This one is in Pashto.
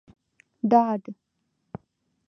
ډاډ